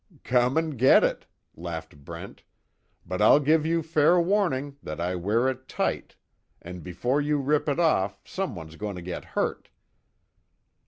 "Come and get it!" laughed Brent. "But I'll give you fair warning that I wear it tight and before you rip it off someone's going to get hurt."